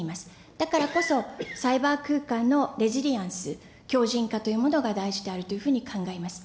だからこそサイバー空間のレジリアンス、強じん化というものが大事であるというふうに考えます。